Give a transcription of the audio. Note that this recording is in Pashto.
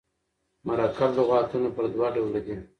مرکب لغاتونه پر دوه ډوله دي.